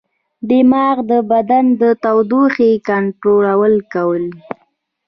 دماغ د بدن د تودوخې کنټرول کوي.